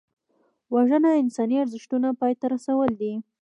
وژنه د انساني ارزښتونو پای ته رسول دي